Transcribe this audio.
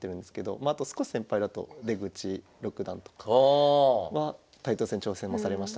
まああと少し先輩だと出口六段とかはタイトル戦挑戦もされましたから。